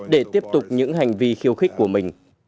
để tiếp tục những hành vi khiêu khích của mình